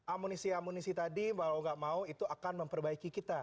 amunisi amunisi tadi mau gak mau itu akan memperbaiki kita